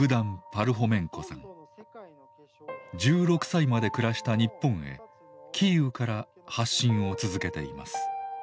１６歳まで暮らした日本へキーウから発信を続けています。